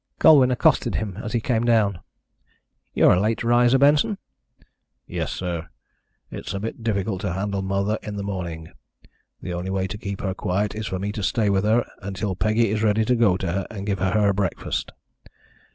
Colwyn accosted him as he came down. "You're a late riser, Benson." "Yes, sir, it's a bit difficult to handle Mother in the morning: the only way to keep her quiet is for me to stay with her until Peggy is ready to go to her and give her her breakfast.